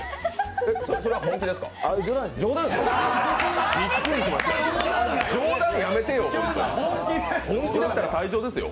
それは本気ですか？